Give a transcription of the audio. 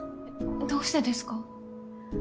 どうしてですか？